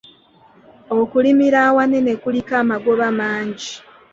Okulimira awanene kuliko amagoba mangi.